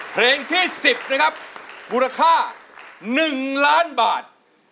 เพลงที่๑๐นะครับมูลค่า๑ล้านบาท